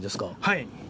はい。